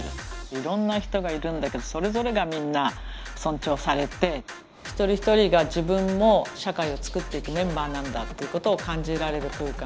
いろんな人がいるんだけどそれぞれがみんな尊重されて一人一人が自分も社会をつくっていくメンバーなんだっていうことを感じられる空間。